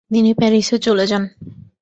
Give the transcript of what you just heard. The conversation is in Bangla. তিনি প্যারিসে চলে যান।